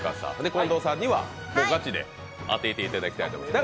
近藤さんにはガチで当てていただきたいと思います。